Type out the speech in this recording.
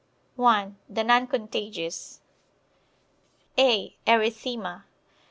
(1) The Non Contagious. (a) Erythema.